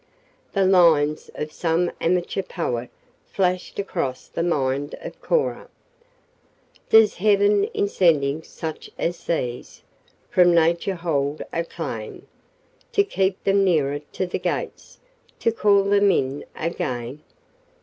The lines of some amateur poet flashed across the mind of Cora: "Does heaven in sending such as these, From Nature hold a claim? To keep them nearer to The Gates, To call them in again?"